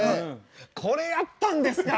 これやったんですか。